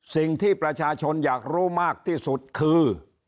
สิ่งที่ประชาชนอยากรู้มากที่สุดคือ